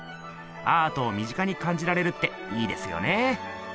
アートを身近にかんじられるっていいですよね。